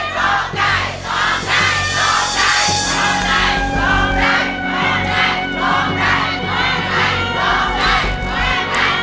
โจ้ได้